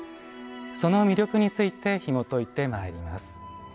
その魅力についてひもといてまいります。